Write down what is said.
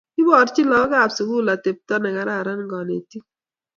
Iborchini lagook kab sugul konetisheek atepto negararan